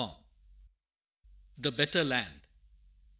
THE BETTER LAND.